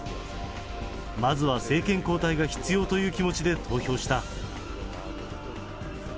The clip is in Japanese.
まずは政権交代が必要という気持ちで投票した。